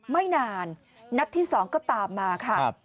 ไม่นานนัดที่๒ก็ตามมาค่ะ